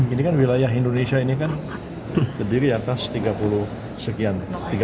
ini kan wilayah indonesia ini kan terdiri atas tiga puluh sekian